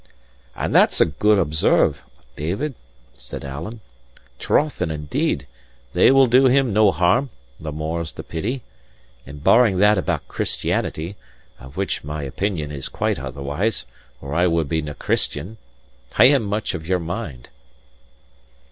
"And that's a good observe, David," said Alan. "Troth and indeed, they will do him no harm; the more's the pity! And barring that about Christianity (of which my opinion is quite otherwise, or I would be nae Christian), I am much of your mind."